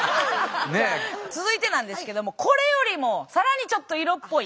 続いてなんですけどもこれよりも更にちょっと色っぽい。